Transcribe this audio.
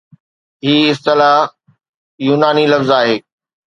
هي اصطلاح يوناني لفظ آهي